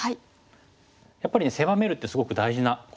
やっぱりね狭めるってすごく大事なことなんですけども。